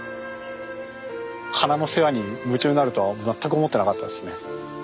花の世話に夢中になるとは全く思ってなかったですね。